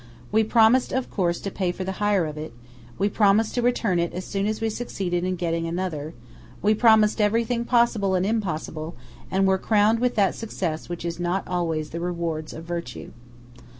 We promised of course to pay for the hire of it; we promised to return it as soon as we succeeded in getting another; we promised everything possible and impossible, and were crowned with that success which is not always the rewards of virtue.